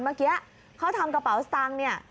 เมื่อกี้เขาทำกระเป๋าสตางค์เนี่ย